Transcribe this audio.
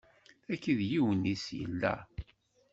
Tagi yiwen-is yella.